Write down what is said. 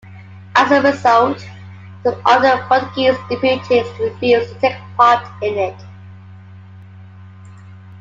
As a result, some of the Portuguese deputies refused to take part in it.